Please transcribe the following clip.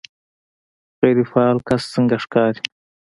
غیر فعال کس څنګه ښکاري